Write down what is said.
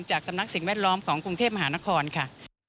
สำนักสิ่งแวดล้อมของกรุงเทพมหานครค่ะ